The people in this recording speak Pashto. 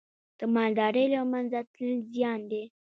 د مالدارۍ له منځه تلل زیان دی.